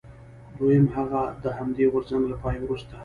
دویم هغه د همدې غورځنګ له پای وروسته.